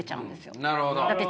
なるほど。